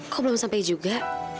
kok belum sampai juga